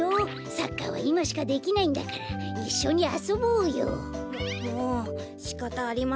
サッカーはいましかできないんだからいっしょにあそぼうよ。ももうしかたありませんね。